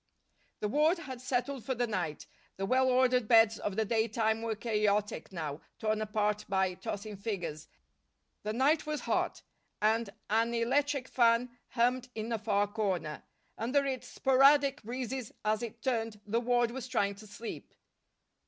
The ward had settled for the night. The well ordered beds of the daytime were chaotic now, torn apart by tossing figures. The night was hot and an electric fan hummed in a far corner. Under its sporadic breezes, as it turned, the ward was trying to sleep.